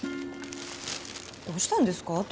どうしたんですか？